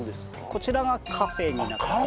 こちらがカフェになってます。